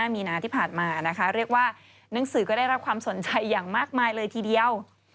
มีนาที่ผ่านมานะคะเรียกว่าหนังสือก็ได้รับความสนใจอย่างมากมายเลยทีเดียว